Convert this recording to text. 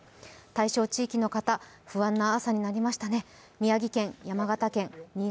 対象地域の方、不安な朝になりましたね。